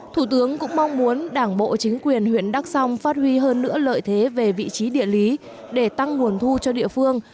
thủ tướng cũng mong muốn đảng bộ chính quyền huyện đắk song phát huy hơn nữa lợi thế về vị trí địa lý để tăng nguồn thu cho địa phương